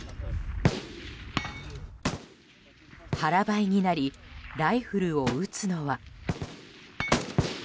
腹ばいになりライフルを撃つのは。